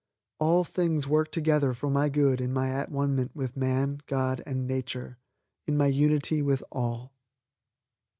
All things work together for my good in my at one ment with Man, God and Nature in my unity with all.